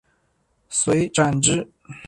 遂斩之。